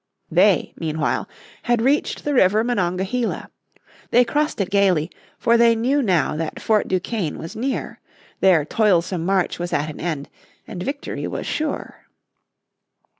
They, meanwhile, had reached the river Monongahela. They crossed it gaily, for they knew now that Fort Duquesne was near; their toilsome march was at an end, and victory was sure.